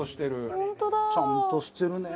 ちゃんとしてるね。